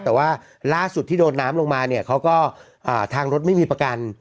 แต่ว่าล่าสุดที่โดนน้ำลงมาเนี่ยเขาก็ทางรถไม่มีประกัน